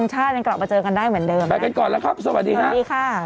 หญิงก็โวยวายนี่